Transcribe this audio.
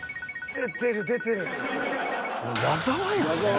出てる出てる。